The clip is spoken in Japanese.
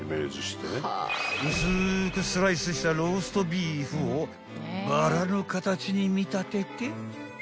［薄くスライスしたローストビーフをバラの形に見立てて］